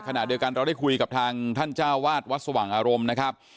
ขณะเดียวกันเราได้คุยกับทางท่านเจ้าวาดวัดสว่างอารมณ์นะครับ